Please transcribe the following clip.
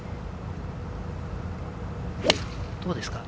どうですか？